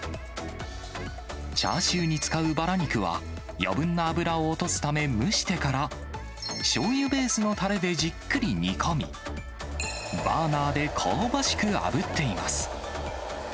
チャーシューに使うバラ肉は、余分な脂を落とすため、蒸してから、しょうゆベースのたれでじっくり煮込み、バーナーで香ばしくあぶっています。